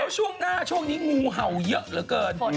อ้าวช่วงหน้าช่วงนี้งูเห่าเยอะเหลือเกินอืมแต่